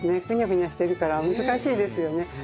ふにゃふにゃしてるから難しいですよね。